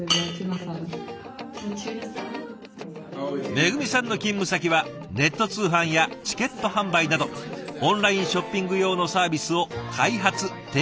めぐみさんの勤務先はネット通販やチケット販売などオンラインショッピング用のサービスを開発提供しているＩＴ企業。